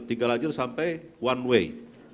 tiga lajur sampai one way